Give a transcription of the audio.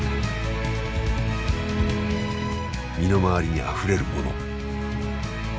身の回りにあふれるもの。